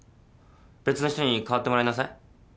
別の人に替わってもらいなさい。